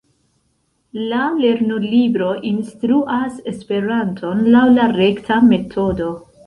La lernolibro instruas Esperanton laŭ la rekta metodo.